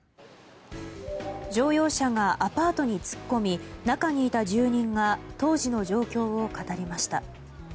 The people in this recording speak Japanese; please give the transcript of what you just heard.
乗用車がアパートに突っ込み中にいた住人が当時の状況を語りました。